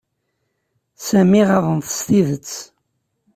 Sami ɣaḍen-t s tidet.